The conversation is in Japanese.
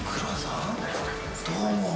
どうも。